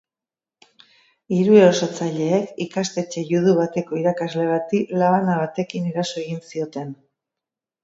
Hiru erasotzailek ikastetxe judu bateko irakasle bati labana batekin eraso egin zioten.